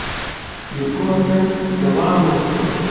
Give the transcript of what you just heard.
لیکونو ته دوام ورکړئ.